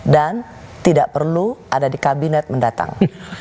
dan tidak perlu ada di kabinet mendatang